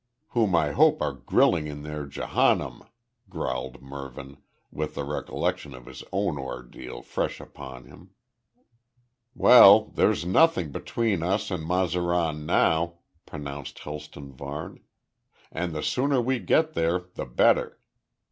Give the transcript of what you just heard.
"Whom I hope are grilling in their Jehanum," growled Mervyn, with the recollection of his own ordeal fresh upon him. "Well, there's nothing between us and Mazaran now," pronounced Helston Varne, "and the sooner we get there the better.